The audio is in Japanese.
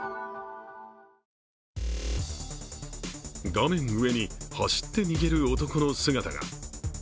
画面上に、走って逃げる男の姿が。